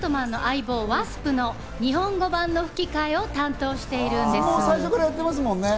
内田さんはですね、アントマンの相棒・ワスプの日本語版の吹き替最初からやってますもんね。